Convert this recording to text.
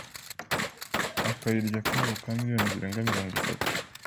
akayirya akayabo ka miliyoni zirenga mirono itatu